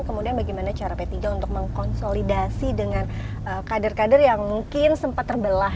kemudian bagaimana cara p tiga untuk mengkonsolidasi dengan kader kader yang mungkin sempat terbelah